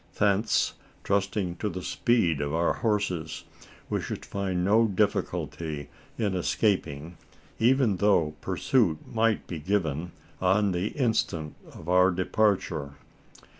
Thence, trusting to the speed of our horses, we should find no difficulty in escaping even though pursuit might be given on the instant of our departure.